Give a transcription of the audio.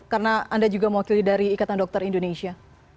karena anda juga mewakili dari ikatan dokter indonesia